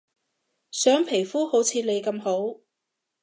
想皮膚好似你咁好